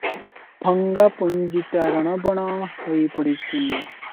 ଭଙ୍ଗା ପୁଞ୍ଜିଟା ରଣବଣ ହୋଇ ପଡିଛି ।"